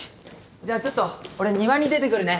じゃあちょっと俺庭に出てくるね。